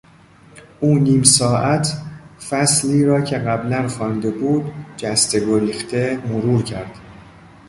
او نیم ساعت فصلی را که قبلا خوانده بود جسته گریخته مرور کرد.